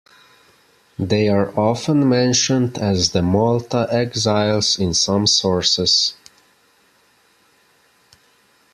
They are often mentioned as the "Malta exiles" in some sources.